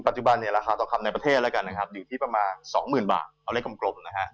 ปัจจุบันราคาทองคำในประเทศอยู่ที่ประมาณสองหมื่นบาทเอาเลขกลมกลม